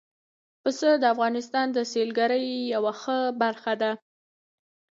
پسه د افغانستان د سیلګرۍ یوه ښه برخه ده.